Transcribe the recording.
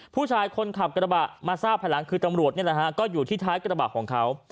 คนขับกระบะมาทราบภายหลังคือตำรวจนี่แหละฮะก็อยู่ที่ท้ายกระบะของเขา